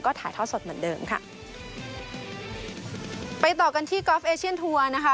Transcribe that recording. ถ่ายทอดสดเหมือนเดิมค่ะไปต่อกันที่กอล์ฟเอเชียนทัวร์นะคะ